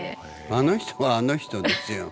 あの人はあの人ですよ。